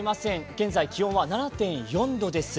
現在、気温は７．４度です。